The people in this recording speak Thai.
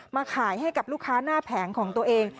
มาขายให้กับลูกค้าหน้าแผงของตัวเอง